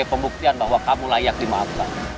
pembuktian bahwa kamu layak dimaafkan